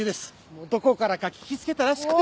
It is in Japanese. どこからか聞き付けたらしくて。